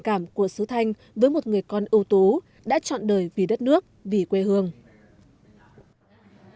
hội khuyến học khuyến tài lê khả phiêu được công bố